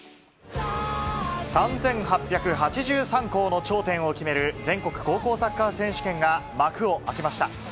３８８３校の頂点を決める全国高校サッカー選手権が幕を開けました。